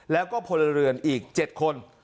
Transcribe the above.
แล้วก็พลเรือนอีก๗คน